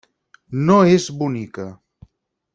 No és bonica.